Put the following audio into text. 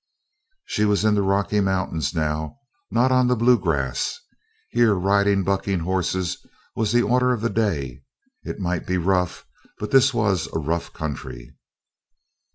She was in the Rocky Mountains, now, not on the Blue Grass. Here riding bucking horses was the order of the day. It might be rough, but this was a rough country.